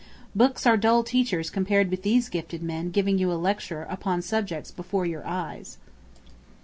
Books are dull teachers compared with these gifted men giving you a lecture upon subjects before your eyes.